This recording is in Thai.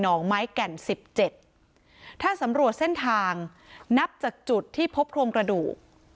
ไม้แก่นสิบเจ็ดถ้าสำรวจเส้นทางนับจากจุดที่พบโครงกระดูก